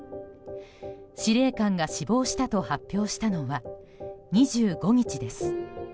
司令官が死亡したと発表したのは２５日です。